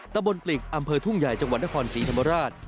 ตะบนปลิกอำเภอทุ่งใหญ่จังหวัดนครศรีธรรมราช